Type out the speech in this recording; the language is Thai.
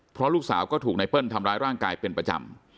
เพราะลูกสาวก็ถูกไนเปิ้ลทำร้ายร่างกายเป็นประจำ